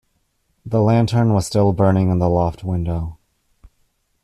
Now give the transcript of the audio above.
The lantern was still burning in the loft-window.